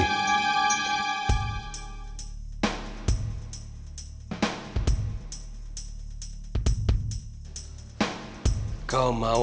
kau mau aku membunuhmu